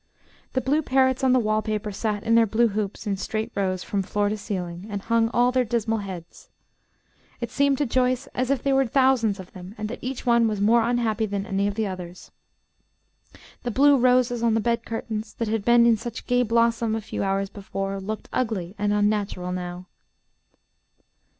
The blue parrots on the wall paper sat in their blue hoops in straight rows from floor to ceiling, and hung all their dismal heads. It seemed to Joyce as if there were thousands of them, and that each one was more unhappy than any of the others. The blue roses on the bed curtains, that had been in such gay blossom a few hours before, looked ugly and unnatural now.